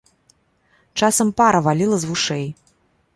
Часам пара валіла з вушэй!